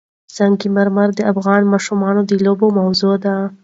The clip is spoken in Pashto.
سنگ مرمر د افغان ماشومانو د لوبو موضوع ده.